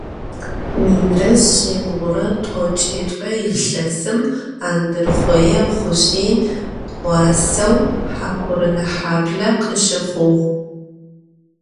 Minıre şsibğure t'oç'it're yilhesım Andırxhoê Xhusên khuaceu Hakurınehable khışıxhuğ.